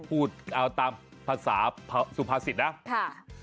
พูดตามภาษาสุภาษิตนะ